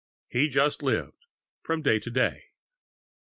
He just lived from day to day.